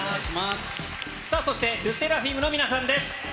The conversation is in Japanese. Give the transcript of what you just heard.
さあ、そしてＬＥＳＳＥＲＡＦＩＭの皆さんです。